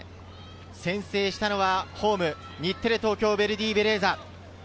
先制したのはホーム、日テレ・東京ヴェルディベレーザ。